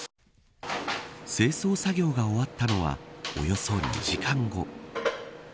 清掃作業が終わったのはおよそ２時間後。